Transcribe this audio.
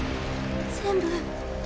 全部。